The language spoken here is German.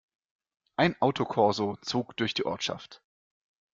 Ein Autokorso zog durch die Ortschaft.